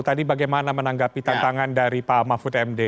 tadi bagaimana menanggapi tantangan dari pak mahfud md